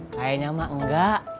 kayaknya emak enggak